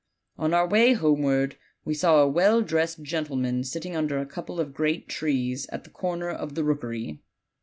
"On our way homeward we saw a well dressed gentle man sitting under a couple of great trees, at the corner of the rookery.